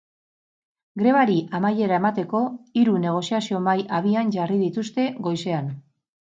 Grebari amaiera emateko hiru negoziazio mahai abian jarri dituzte goizean.